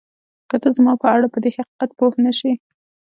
که ته زما په اړه پدې حقیقت پوه نه شې